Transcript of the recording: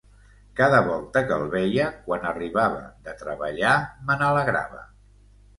Cada volta que el veia, quan arribava de treballar, me n'alegrava.